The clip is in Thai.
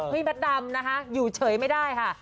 พี่มัดดำอยู่เฉยไม่ได้ค่ะ